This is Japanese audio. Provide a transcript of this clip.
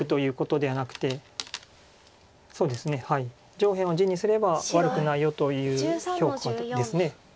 上辺を地にすれば悪くないよという評価です。